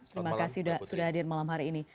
terima kasih sudah hadir malam hari ini